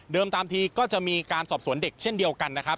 ตามทีก็จะมีการสอบสวนเด็กเช่นเดียวกันนะครับ